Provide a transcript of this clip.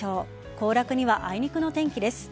行楽には、あいにくの天気です。